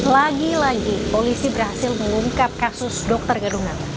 lagi lagi polisi berhasil mengungkap kasus dokter gadungan